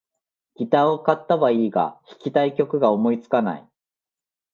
ギターを買ったはいいが、弾きたい曲が思いつかない